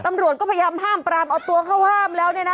ตำรวจก็พยายามห้ามปรามเอาตัวเข้าห้ามแล้วเนี่ยนะ